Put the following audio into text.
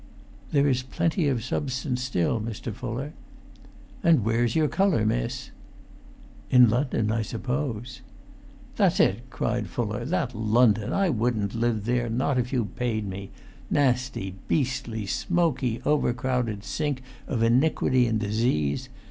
"There is plenty of substance still, Mr. Fuller." "And where's your colour, miss?" "In London, I suppose." "That's it," cried Fuller; "that London! I wouldn't live there, not if you paid me: nasty, beastly, smoky, overcrowded sink of iniquity and disease!